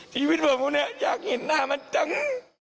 ทีวิทย์ผมอยากเห็นหน้ามันจัง